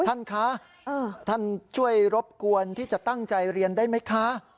ท่านคะท่านช่วยรบกวนที่จะตั้งใจเรียนได้ไหมคะ